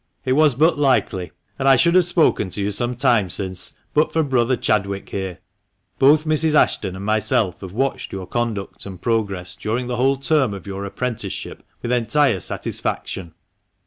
It was but likely. And I should have spoken to you some time since, but for brother Chadwick here. Both Mrs. Ashton and myself have watched your conduct and progress, during the whole term of your apprentice ship, with entire satisfaction."